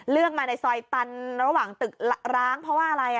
มาในซอยตันระหว่างตึกร้างเพราะว่าอะไร